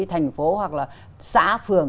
thành phố hoặc là xã phường